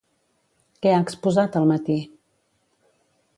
Què ha exposat al matí?